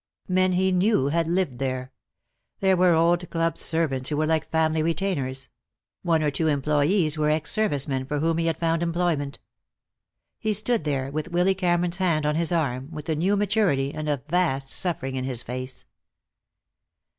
Men he knew had lived there. There were old club servants who were like family retainers; one or two employees were ex service men for whom he had found employment. He stood there, with Willy Cameron's hand on his arm, with a new maturity and a vast suffering in his face.